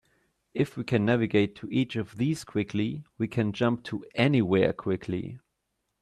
If we can navigate to each of these quickly, we can jump to anywhere quickly.